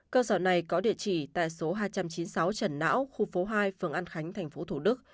cơ sở này có địa chỉ tại số hai trăm chín mươi sáu trần não khu phố hai phường an khánh thành phố thủ đức